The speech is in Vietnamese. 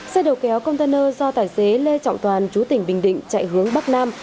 xe đầu kéo container do tài xế lê trọng toàn chú tỉnh bình định chạy hướng bắc nam